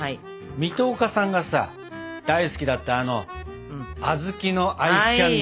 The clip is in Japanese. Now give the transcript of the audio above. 水戸岡さんがさ大好きだったあのあずきのアイスキャンデー。